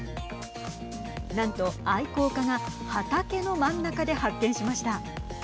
何と愛好家が畑の真ん中で発見しました。